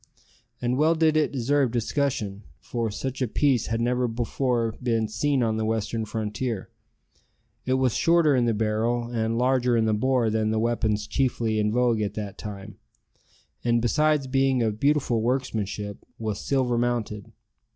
And well did it deserve discussion, for such a piece had never before been seen on the western frontier. It was shorter in the barrel and larger in the bore than the weapons chiefly in vogue at that time, and, besides being of beautiful workmanship, was silver mounted.